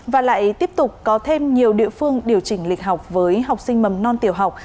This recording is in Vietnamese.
và lại tiếp tục có thêm nhiều địa phương điều chỉnh lịch học với học sinh mầm non tiểu học